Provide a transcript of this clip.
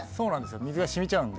水が染みちゃうので。